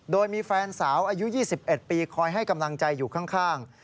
โดยมีแฟนสาวอายุ๒๑ปีคอยให้กำลังใจอยู่ข้าง